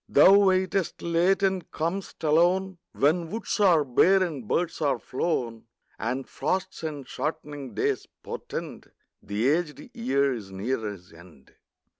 Thou waitest late and com'st alone, When woods are bare and birds are flown, And frosts and shortening days portend The aged year is near his end.